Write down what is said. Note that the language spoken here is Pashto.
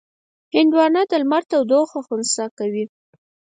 هندوانه د لمر تودوخه خنثی کوي.